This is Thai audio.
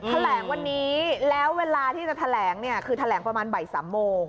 แถลงวันนี้แล้วเวลาที่จะแถลงเนี่ยคือแถลงประมาณบ่าย๓โมง